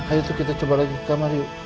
ayo tuh kita coba lagi kamar yuk